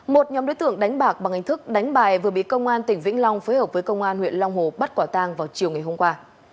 một nhóm đối tượng đánh bạc bằng hình thức đánh bài vừa bị công an tỉnh vĩnh long phối hợp với công an huyện long hồ bắt quả tang vào chiều ngày hôm qua